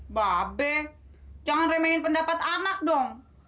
mbak be jangan remehin pendapat anak dong